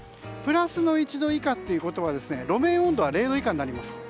プラスの１度以下ということは路面温度は０度以下になります。